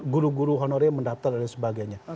guru guru honore mendaptal dan sebagainya